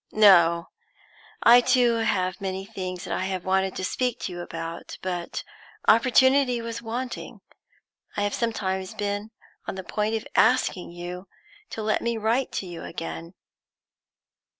"No. I too have many things that I have wanted to speak to you about, but opportunity was wanting. I have sometimes been on the point of asking you to let me write to you again."